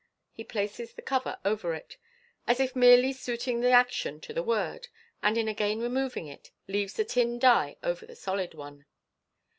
He places the cover over it, as if merely suiting the action to the word, and in again removing it, leaves the tin die over the solid one.